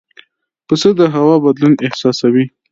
پسه د هوا بدلون احساسوي.